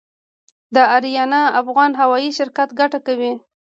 د اریانا افغان هوايي شرکت ګټه کوي؟